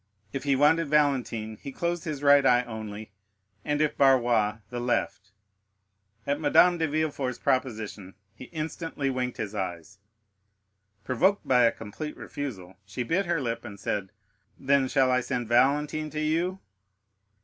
If he wanted Valentine, he closed his right eye only, and if Barrois, the left. At Madame de Villefort's proposition he instantly winked his eyes. Provoked by a complete refusal, she bit her lip and said, "Then shall I send Valentine to you?"